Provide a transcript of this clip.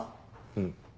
うん。